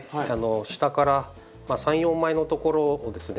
下から３４枚のところをですね